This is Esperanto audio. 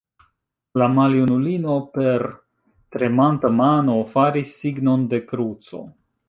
La maljunulino per tremanta mano faris signon de kruco.